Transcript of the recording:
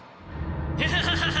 フハハハハ！